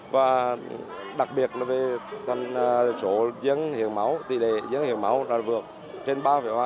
và đặc biệt là số dân hiến máu tỷ đề dân hiến máu đã vượt trên ba ba